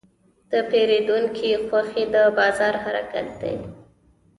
د پیرودونکي خوښي د بازار حرکت دی.